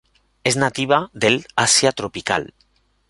Es nativa del Asia tropical.